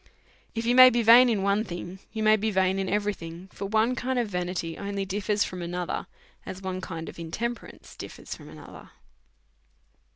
If you may be vain in one thing, you may be vain in every thing ; for one kind of vanity only differs from another, as one kind of intemperance differs from another.